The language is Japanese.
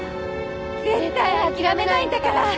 絶対あきらめないんだから！